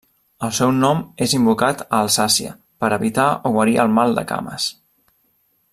El seu nom és invocat a Alsàcia per evitar o guarir el mal de cames.